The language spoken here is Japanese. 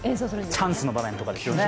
チャンスの場面とかですよね。